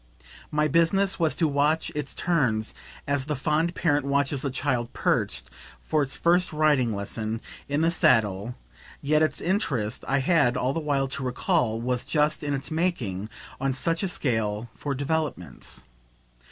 My business was to watch its turns as the fond parent watches a child perched, for its first riding lesson, in the saddle; yet its interest, I had all the while to recall, was just in its making, on such a scale, for developments.